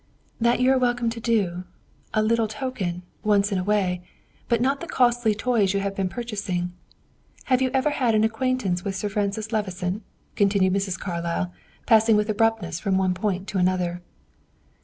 "That you are welcome to do a 'little token,' once in a way, but not the costly toys you have been purchasing. Have you ever had an acquaintance with Sir Francis Levison?" continued Mrs. Carlyle, passing with abruptness from one point to another.